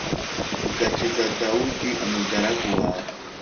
ugakiza Dawudi umugaragu wawe